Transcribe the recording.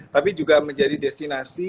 tapi juga menjadi destinasi